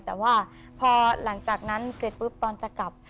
แต่ว่าพอหลังจากนั้นเสร็จปุ๊บตอนจะกลับ